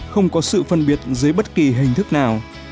không có sự phân biệt dưới bất kỳ hình thức nào